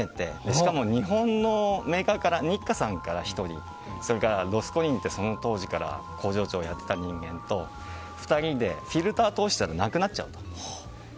しかも日本のメーカーニッカさんから１人それから、その時から工場長をやっていた人間と２人でフィルターを通したらなくなっちゃうと。